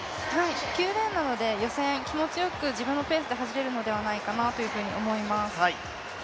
９レーンなので、予選気持ちよく自分のペースで走れるんじゃないかと思います。